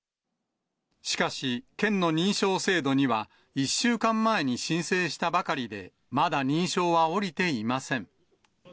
しかし、県の認証制度には、１週間前に申請したばかりで、まだ認証は下りていません。